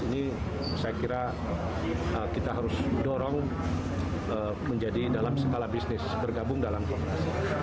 ini saya kira kita harus dorong menjadi dalam skala bisnis bergabung dalam kongres